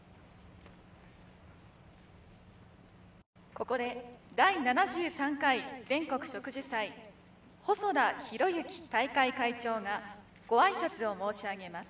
ここで第７３回全国植樹祭細田博之大会会長がご挨拶を申し上げます。